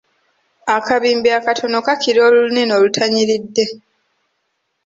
Akabimbi akatono kakira olunene olutanyiridde.